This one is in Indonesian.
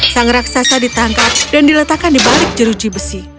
sang raksasa ditangkap dan diletakkan di balik jeruji besi